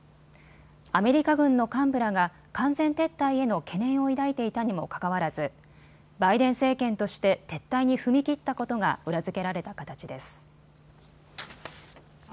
アメリカ軍の幹部らが完全撤退への懸念を抱いていたにもかかわらずバイデン政権として撤退に踏み切ったことが裏付けられた形です。